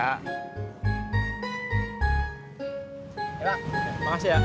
ya mak makasih ya